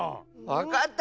わかった！